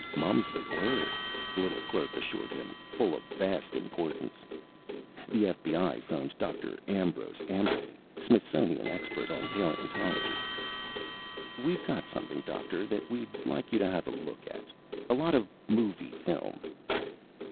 "Mum's the word," the little clerk assured him, full of vast importance. The FBI phoned Dr. Ambrose Amberly, Smithsonian expert on paleontology. "We've got something, Doctor, that we'd like you to have a look at. A lot of movie film."